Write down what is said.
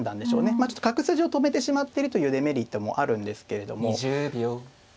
まあちょっと角筋を止めてしまってるというデメリットもあるんですけれども。